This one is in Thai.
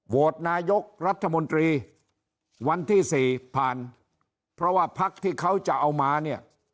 โหวตนายกรัฐมนตรีวันที่สี่ผ่านเพราะว่าพักที่เขาจะเอามาเนี่ย